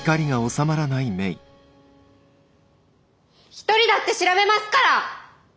一人だって調べますから！